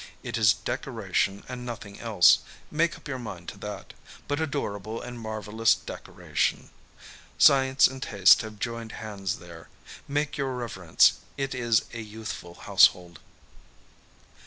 It is decoration and nothing else, make up your mind to that, but adorable and marvellous deco ration. Science and taste have joined hands there ; make your reverence, it is a youthful household.